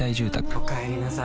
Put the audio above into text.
おかえりなさい。